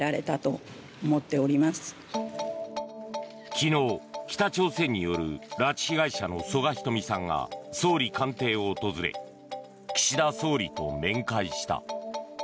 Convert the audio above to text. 昨日、北朝鮮による拉致被害者の曽我ひとみさんが総理官邸を訪れ岸田総理と面会した。